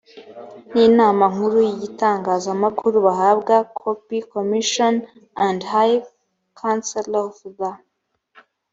n inama nkuru y itangazamakuru bahabwa kopi commission and the high council of the